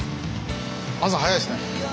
朝早いですね。